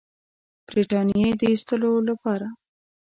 برټانیې د ایستلو لپاره.